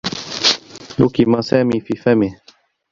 لُكم سامي في فمه.